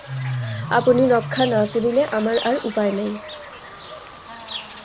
আপনি রক্ষা না করিলে আমার আর উপায় নাই।